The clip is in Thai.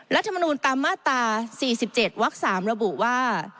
รัฐมนูลตามมาตรา๔๗วัก๓ระบุว่า